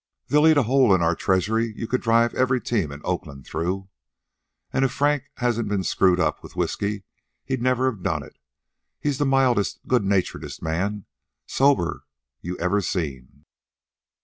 They'll eat a hole in our treasury you could drive every team in Oakland through. An' if Frank hadn't ben screwed up with whisky he'd never a done it. He's the mildest, good naturedest man sober you ever seen."